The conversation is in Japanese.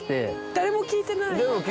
誰も聞いてないよね。